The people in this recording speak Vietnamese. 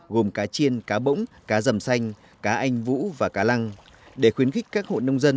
gồm cá chiên cá bỗng cá dầm xanh cá anh vũ và cá lăng để khuyến khích các hộ nông dân